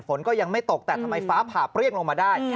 ฝนก็ยังไม่ตกแต่ทำไมฟ้าผ่าเปรี้ยงลงมาได้